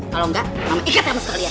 kalau enggak mama ikat kamu sekalian